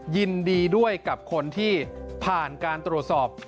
ยินดีด้วยกับคนที่ผ่านการตรวจสอบ